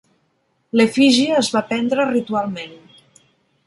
L'efígie es va prendre ritualment.